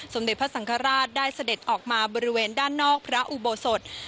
สมเด็จพระสังฆราชได้เสด็จออกมาบริเวณด้านนอกพระอุโบสถ